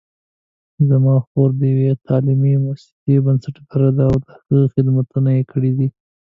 زما خور د یوې تعلیمي مؤسسې بنسټګره ده او ښه خدمتونه یې کړي دي